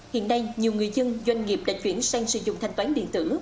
hiện nay nhiều người dân doanh nghiệp đã chuyển sang sử dụng thanh toán điện tử